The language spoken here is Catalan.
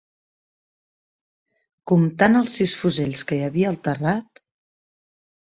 Comptant els sis fusells que hi havia al terrat...